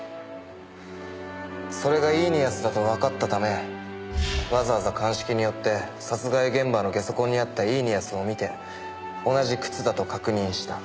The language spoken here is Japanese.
それがイーニアスだとわかったためわざわざ鑑識に寄って殺害現場の下足痕にあったイーニアスを見て同じ靴だと確認した。